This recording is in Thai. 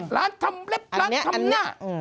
ทำเล็บร้านทำหน้า